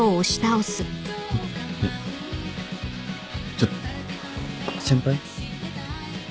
ちょっ先輩？